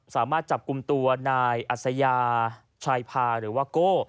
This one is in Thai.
สามารถจับกลุ่มตัวนายอัศยาชายพาหรือว่าโก้